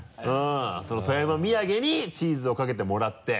その富山土産にチーズをかけてもらって。